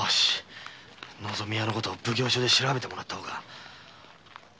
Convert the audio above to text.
のぞみ屋のことを奉行所で調べてもらった方が。